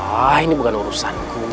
ya ini perusahaanku